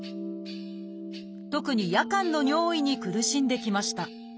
特に夜間の尿意に苦しんできました。